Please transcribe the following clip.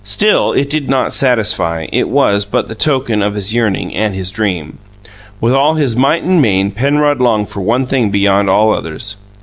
Still, it did not satisfy; it was but the token of his yearning and his dream. With all his might and main Penrod longed for one thing beyond all others.